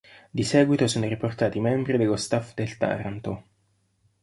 Di seguito sono riportati i membri dello staff del Taranto.